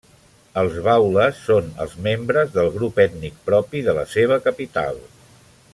Els baules són els membres del grup ètnic propi de la seva capital.